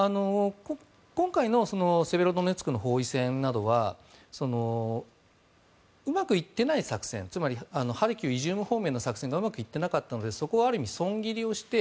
今回のセベロドネツクの包囲戦などはうまくいっていない作戦つまりハルキウイジューム方面の作戦がうまくいっていなかったのである意味、損切りをして